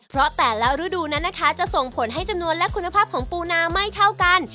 เพราะแต่ละฤดูนั้นนะคะจะส่งผลให้จำนวนและคุณภาพของปูนาไม่เท่ากัน